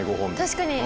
確かに。